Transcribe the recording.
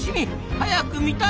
早く見たい！